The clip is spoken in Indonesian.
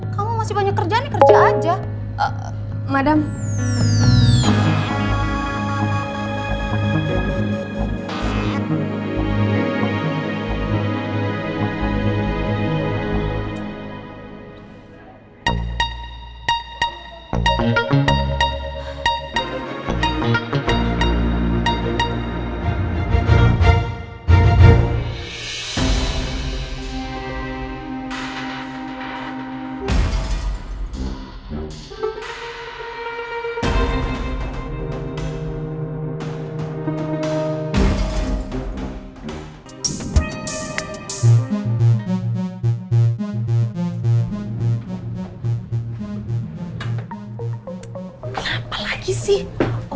kamu masih banyak kerja nih kerja aja